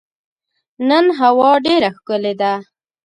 نن هوا ډېره ښکلې ده.